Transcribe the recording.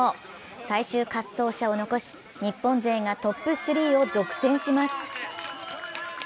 最終滑走者を残し、日本勢がトップ３を独占します。